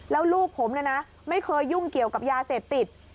แล้วลูกผมเนี่ยนะไม่เคยยุ่งเกี่ยวกับยาเสพติด